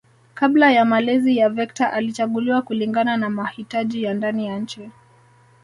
Kabla ya malezi ya vector alichaguliwa kulingana na mahitaji ya ndani ya nchi